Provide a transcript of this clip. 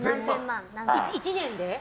１年で？